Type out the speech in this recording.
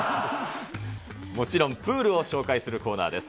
もちろん、プールを紹介するコーナーです。